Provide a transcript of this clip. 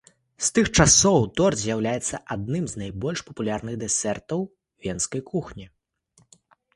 З тых часоў торт з'яўляецца адным з найбольш папулярных дэсертаў венскай кухні.